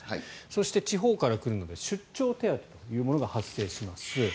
そして、地方から来るので出張手当というのが発生します。